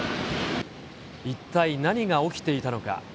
一体何が起きていたのか。